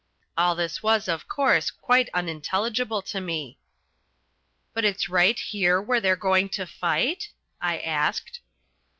All this was, of course, quite unintelligible to me. "But it's right here where they're going to fight?" I asked.